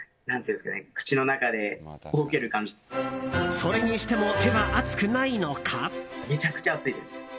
それにしても手は熱くないのか？